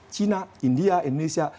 cina india indonesia